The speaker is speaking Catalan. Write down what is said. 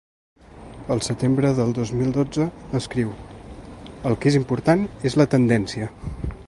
El setembre del dos mil dotze escriu: El que és important és la tendència.